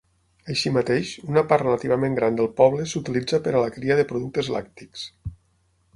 Així mateix, una part relativament gran del poble s'utilitza per a la cria de productes làctics.